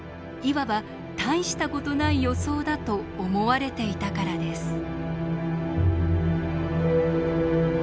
いわばたいしたことない予想だと思われていたからです。